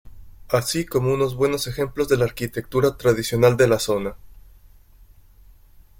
Así como unos buenos ejemplos de la arquitectura tradicional de la zona.